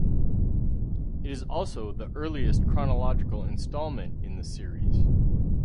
It is also the earliest chronological installment in the series.